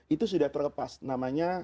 itu sudah terlepas namanya